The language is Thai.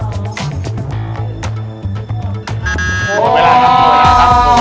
คลิปขับ